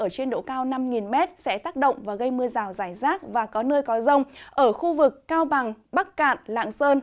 cao năm m sẽ tác động và gây mưa rào rải rác và có nơi có rông ở khu vực cao bằng bắc cạn lạng sơn